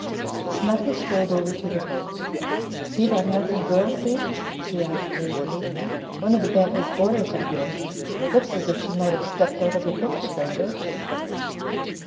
Snuffy strolled over to the boat. "See that handsome girl, Si?" he asked lazily. "One of the Bentleys' boarders, I hear. Looks as if she might have stepped out of a picture frame, don't she?"